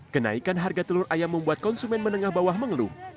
kenaikan harga telur ayam membuat konsumen menengah bawah mengeluh